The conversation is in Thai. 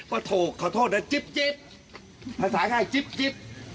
ก็โถขอโทษนะจิ๊บจิ๊บภาษาค่ะจิ๊บจิ๊บ